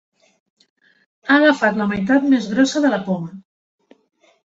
Ha agafat la meitat més grossa de la poma.